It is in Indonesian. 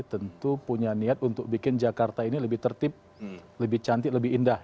tentu punya niat untuk bikin jakarta ini lebih tertib lebih cantik lebih indah